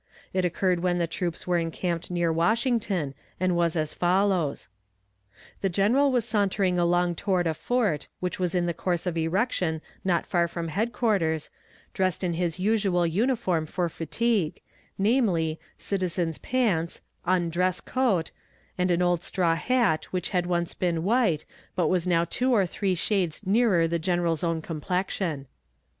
It occurred when the troops were encamped near Washington, and was as follows: The general was sauntering along toward a fort, which was in course of erection not far from headquarters, dressed in his usual uniform for fatigue, namely: citizen's pants, undress coat, and an old straw hat which had once been white, but was now two or three shades nearer the general's own complexion.